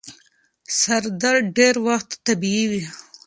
سردرد ډير وخت طبیعي وي.